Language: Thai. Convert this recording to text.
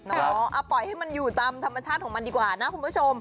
เอาปล่อยให้มันอยู่ตามธรรมชาติของมันดีกว่านะคุณผู้ชม